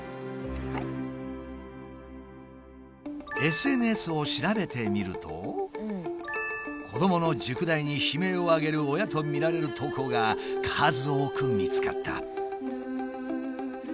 ＳＮＳを調べてみると子どもの塾代に悲鳴を上げる親とみられる投稿が数多く見つかった。